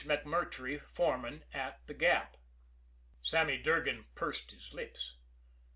MacMurtrey, foreman, at The Gap. Sammy Durgan pursed his lips.